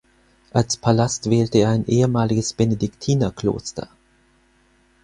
Als Palast wählte er ein ehemaliges Benediktinerkloster.